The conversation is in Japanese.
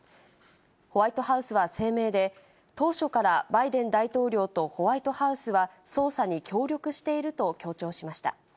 ホワイトハウスは声明で、当初からバイデン大統領とホワイトハウスは捜査に協力していると強調しました。